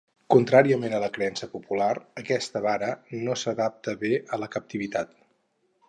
Contràriament a la creença popular, aquest varà no s'adapta bé a la captivitat.